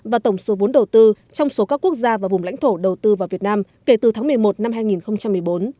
và tổng số vốn đầu tư trong số các quốc gia và vùng lãnh thổ đầu tư vào việt nam kể từ tháng một mươi một năm hai nghìn một mươi bốn